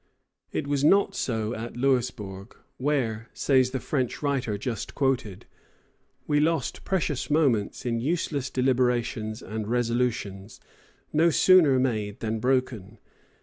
] It was not so at Louisbourg, where, says the French writer just quoted, "we lost precious moments in useless deliberations and resolutions no sooner made than broken.